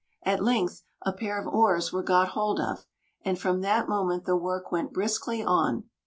At length a pair of oars were got hold of; and from that moment the work went briskly on.